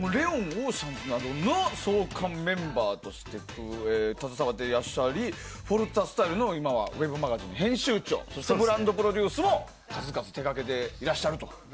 「ＬＥＯＮ」「ＯＣＥＡＮＳ」の創刊メンバーとして携わっていらっしゃって今はウェブマガジンの編集長でそしてブランドプロデュースも数々手掛けていらっしゃると。